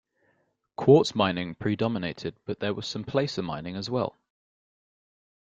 Quartz mining predominated but there was some placer mining as well.